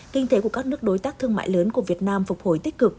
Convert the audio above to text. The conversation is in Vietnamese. kinh tế của các nước đối tác thương mại lớn của việt nam phục hồi tích cực